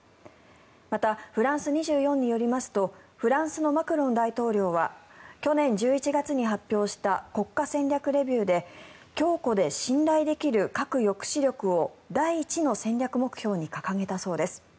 また、フランス２４によりますとフランスのマクロン大統領は去年１１月に発表した国家戦略レビューで強固で信頼できる核抑止力を第一の戦略目標に掲げたそうです。